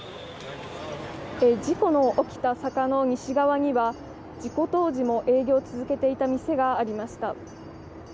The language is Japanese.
事故が起きた坂の西側には事故当時も営業を続けていた店がありました。